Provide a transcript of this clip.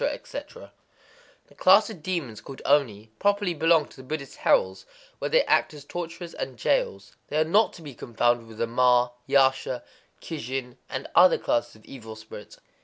etc.—The class of demons called Oni, properly belong to the Buddhist hells, where they act as torturers and jailers. They are not to be confounded with the Ma, Yasha, Kijin, and other classes of evil spirits.